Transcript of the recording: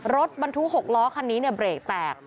รถบรรทุกหกล้อคันนี้เนี่ยเบรกแตก